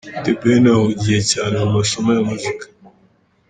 The Ben ahugiye cyane mu masomo ya muzika.